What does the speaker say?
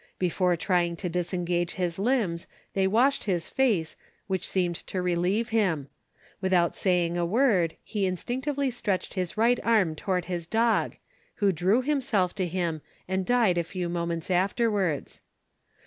Before trying to disengage his limbs, they washed his face, which seemed to relieve him; without saying a word, he instinctively stretched his right arm toward his dog, who drew himself to him, and died a few moments afterwards.